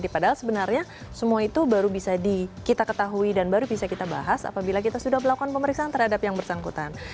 padahal sebenarnya semua itu baru bisa kita ketahui dan baru bisa kita bahas apabila kita sudah melakukan pemeriksaan terhadap yang bersangkutan